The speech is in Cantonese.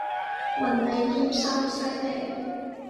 文理兼修，犀利！